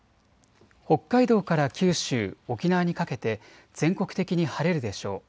北海道から九州、沖縄にかけて全国的に晴れるでしょう。